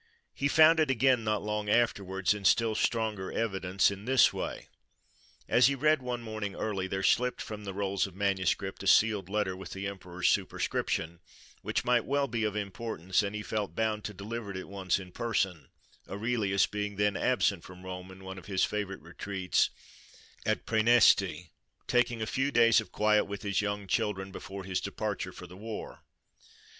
He found it again not long afterwards, in still stronger evidence, in this way. As he read one morning early, there slipped from the rolls of manuscript a sealed letter with the emperor's superscription, which might well be of importance, and he felt bound to deliver it at once in person; Aurelius being then absent from Rome in one of his favourite retreats, at Praeneste, taking a few days of quiet with his young children, before his departure for the war.